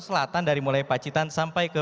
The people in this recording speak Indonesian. selatan dari mulai pacitan sampai ke